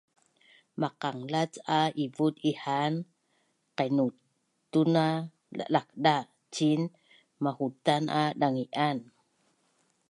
Maqanglac a ivut ihaan qainutun a lakda ciin ma’hutan a dangi’an